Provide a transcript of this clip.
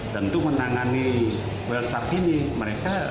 dan untuk menangani well saf ini mereka